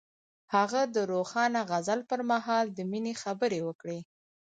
هغه د روښانه غزل پر مهال د مینې خبرې وکړې.